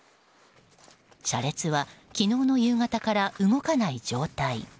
車列は昨日の夕方から動かない状態。